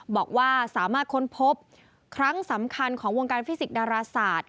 บอกว่าสามารถค้นพบครั้งสำคัญของวงการฟิสิกส์ดาราศาสตร์